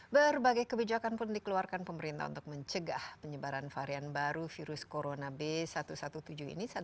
berbagai kebijakan pun dikeluarkan pemerintah untuk mencegah penyebaran varian baru virus corona b satu satu tujuh ini